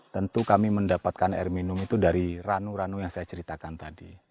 tentu kami mendapatkan air minum itu dari ranu ranu yang saya ceritakan tadi